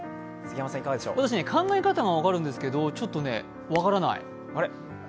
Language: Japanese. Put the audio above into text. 考え方は分かるんですけど、ちょっとね、分からない。